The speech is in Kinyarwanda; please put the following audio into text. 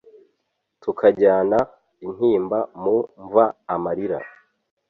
tukajyana intimba mu mva amarira